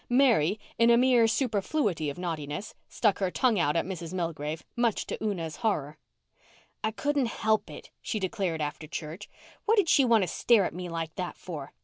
Mary, in a mere superfluity of naughtiness, stuck out her tongue at Mrs. Milgrave, much to Una's horror. "I couldn't help it," she declared after church. "What'd she want to stare at me like that for?